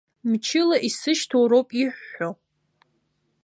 Мчыла исышьҭоу роуп иҳәҳәо!